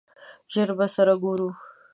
ژر به سره ګورو!